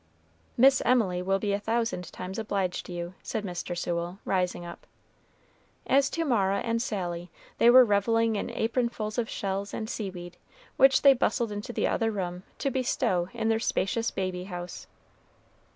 "Miss Emily will be a thousand times obliged to you," said Mr. Sewell, rising up. As to Mara and Sally, they were reveling in apronfuls of shells and seaweed, which they bustled into the other room to bestow in their spacious baby house.